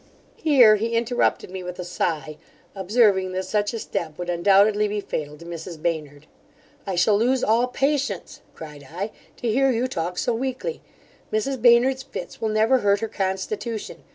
Here he interrupted me with a sigh, observing that such a step would undoubtedly be fatal to Mrs Baynard 'I shall lose all patience (cried I), to hear you talk so weakly Mrs Baynard's fits will never hurt her constitution.